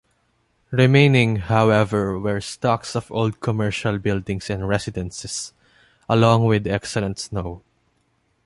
Remaining, however, were stocks of old commercial buildings and residences, along with excellent snow.